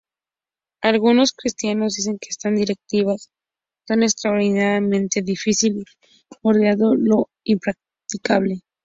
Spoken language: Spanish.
Algunos cristianos dicen que estas directivas son extraordinariamente difíciles, bordeando lo impracticable.